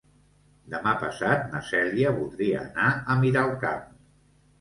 Demà passat na Cèlia voldria anar a Miralcamp.